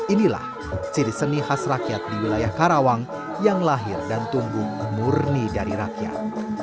inilah ciri seni khas rakyat di wilayah karawang yang lahir dan tumbuh murni dari rakyat